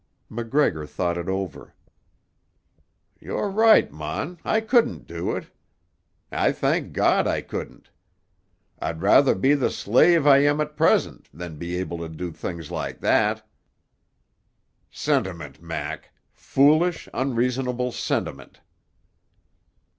MacGregor thought it over. "You're right, mon, I couldn't do it. I thank God I couldn't. I'd rather be the slave I am at present than be able to do things like that." "Sentiment, Mac; foolish, unreasonable sentiment."